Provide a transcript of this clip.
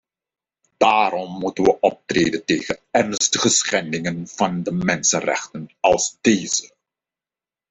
Daarom moeten we optreden tegen ernstige schendingen van de mensenrechten als deze.